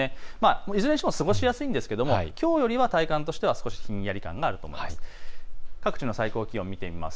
いずれにしても過ごしやすいんですがきょうよりは体感としては少しひんやり感があると思います。